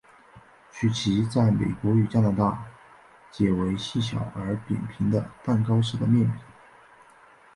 曲奇在美国与加拿大解为细小而扁平的蛋糕式的面饼。